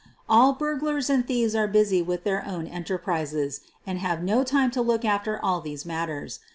All burglars and thieves are busy with their own enterprises, and have no time to look after all these matters.